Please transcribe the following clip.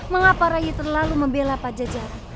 mengapa rayi terlalu membela pajajari